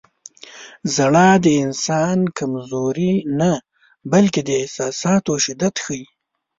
• ژړا د انسان کمزوري نه، بلکې د احساساتو شدت ښيي.